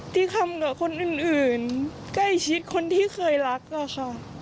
ที่ทำกับคนอื่นใกล้ชิดคนที่เคยรักอะค่ะ